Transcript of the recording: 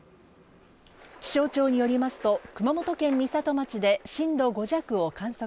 気象庁によりますと熊本県美里町で震度５弱を観測。